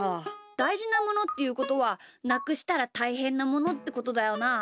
だいじなものっていうことはなくしたらたいへんなものってことだよな。